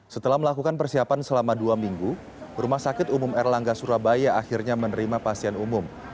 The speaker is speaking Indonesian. setelah melakukan persiapan selama dua minggu rumah sakit umum erlangga surabaya akhirnya menerima pasien umum